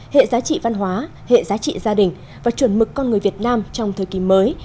hệ giá trị văn hóa hệ giá trị gia đình và chuẩn mực con người việt nam trong thời kỳ mới